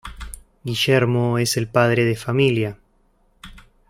Guillermo es el padre de familia.